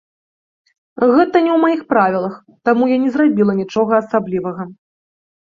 Гэта не ў маіх правілах, таму я не зрабіла нічога асаблівага.